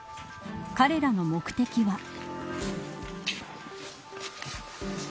彼らの目的は。